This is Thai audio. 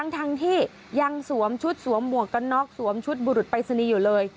ทั้งที่ยังสวมชุดสวมหมวกกันน็อกสวมชุดบุรุษปรายศนีย์อยู่เลย